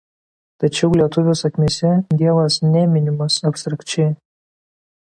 Tačiau lietuvių sakmėse Dievas neminimas abstrakčiai.